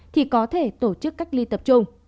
thì có thể tổ chức cách ly tập trung